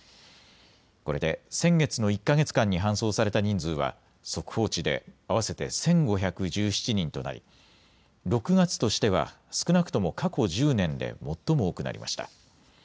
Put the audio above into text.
これで先月の１か月間に搬送された人数は速報値で合わせて１５１７人となり６月としては少なくとも過去１０年で最も多くなりました。